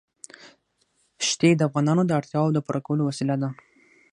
ښتې د افغانانو د اړتیاوو د پوره کولو وسیله ده.